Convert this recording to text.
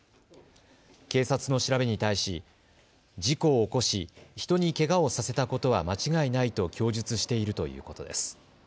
警察の調べに対し事故を起こし人にけがをさせたことは間違いないと供述しているということです。